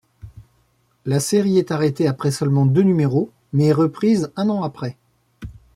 La série est arrêtée après seulement deux numéros mais est reprise un an après.